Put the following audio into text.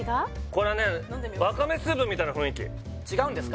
これねわかめスープみたいな雰囲気違うんですか